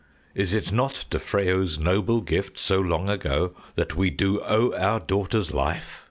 "Is it not to Freyo's noble gift, so long ago, that we do owe our daughter's life!"